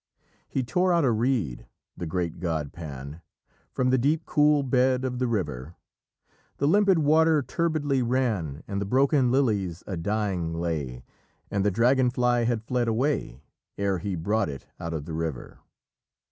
He tore out a reed, the great god Pan, From the deep cool bed of the river: The limpid water turbidly ran, And the broken lilies a dying lay, And the dragon fly had fled away, Ere he brought it out of the river.